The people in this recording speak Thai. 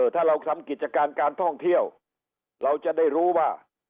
ถ้าเราทำกิจการการท่องเที่ยวเราจะได้รู้ว่า